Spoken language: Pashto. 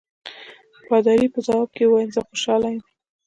پادري په ځواب کې وویل زه خوشاله یم.